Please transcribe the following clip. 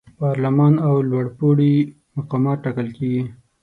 پارلمان او لوړپوړي مقامات ټاکل کیږي.